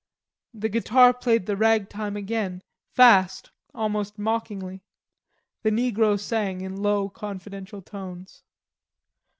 The guitar played the rag time again, fast, almost mockingly. The negro sang in low confidential tones.